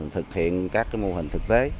thực hiện các mô hình thực tế